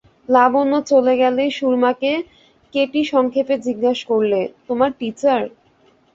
লাবণ্য চলে গেলেই সুরমাকে কেটি সংক্ষেপে জিজ্ঞাসা করলে, তোমার টীচার?